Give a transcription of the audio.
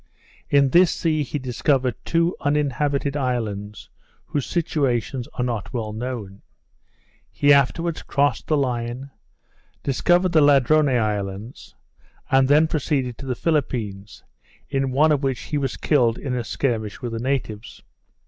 In this sea he discovered two uninhabited islands, whose situations are not well known. He afterwards crossed the Line; discovered the Ladrone Islands; and then proceeded to the Phillipines, in one of which he was killed in a skirmish with the natives.